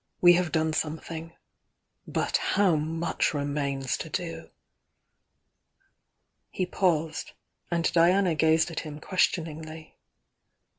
We have done something, — but how much remains to do!" He paused, — and Diana gazed at him question ingly.